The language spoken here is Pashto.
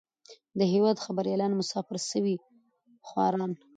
د هېواد خبريالان مسافر سوي خواران.